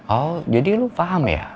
oh jadi lo paham ya